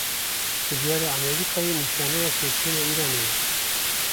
Biryara Emerîkayê, nîşaneya têkçûna Îranê ye